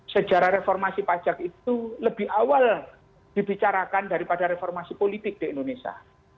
sejarah reformasi pajak itu lebih awal dibicarakan daripada reformasi politik di indonesia